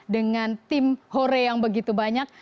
dengan tim hore yang begitu banyak